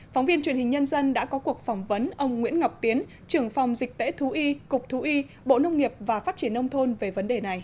phóng viên truyền hình nhân dân đã có cuộc phỏng vấn ông nguyễn ngọc tiến trưởng phòng dịch tễ thú y cục thú y bộ nông nghiệp và phát triển nông thôn về vấn đề này